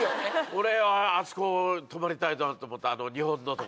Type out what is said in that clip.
俺はあそこ泊まりたいなと思った日本の所。